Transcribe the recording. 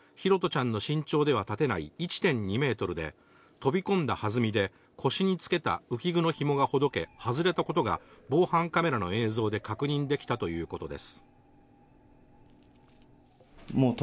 プールの水深は拓杜ちゃんの身長では立てない１．２メートルで飛び込んだはずみで腰につけた浮き具の紐がほどけ、外れたことが防犯カメラの映像で確認できたということです。